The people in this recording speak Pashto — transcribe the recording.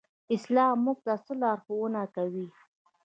اسلام موږ ته څه لارښوونه کوي؟